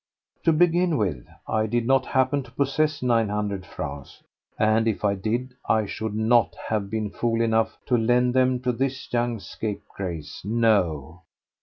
To begin with, I did not happen to possess nine hundred francs, and if I did, I should not have been fool enough to lend them to this young scapegrace. No!